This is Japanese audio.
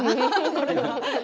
これは。